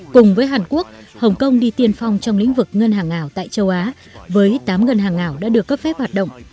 cùng với hàn quốc hồng kông đi tiên phong trong lĩnh vực ngân hàng ảo tại châu á với tám ngân hàng ảo đã được cấp phép hoạt động